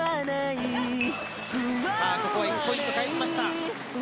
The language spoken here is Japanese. さあここは１ポイント返しました